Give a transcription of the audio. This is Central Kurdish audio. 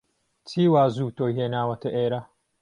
چی وا زوو تۆی هێناوەتە ئێرە؟